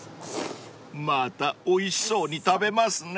［またおいしそうに食べますね］